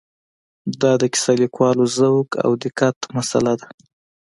دا د کیسه لیکوالو ذوق او دقت مساله ده.